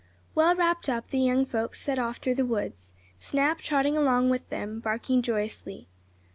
Well wrapped up, the young folks set off through the woods, Snap trotting along with them, barking joyously.